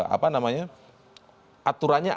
apa namanya aturannya